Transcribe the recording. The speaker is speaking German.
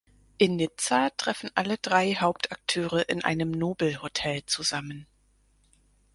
In Nizza treffen alle drei Hauptakteure in einem Nobelhotel zusammen.